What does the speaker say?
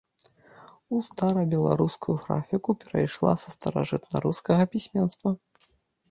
У старабеларускую графіку перайшла са старажытнарускага пісьменства.